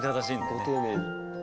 ご丁寧に。